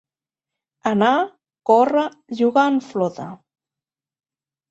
Anar, córrer, jugar en flota.